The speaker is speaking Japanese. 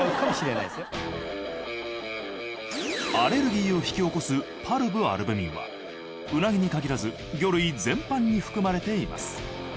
アレルギーを引き起こすパルブアルブミンはうなぎに限らず魚類全般に含まれています。